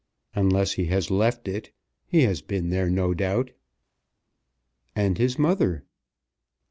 "Unless he has left it. He has been there, no doubt." "And his mother."